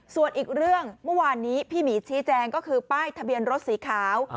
ส่วนอีกเรื่องเมื่อวานนี้พี่หมีชี้แจงก็คือป้ายทะเบียนรถสีขาว